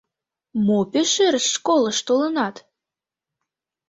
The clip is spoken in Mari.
— Мо пеш эр школыш толынат?